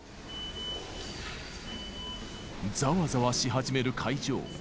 ざわざわし始める会場。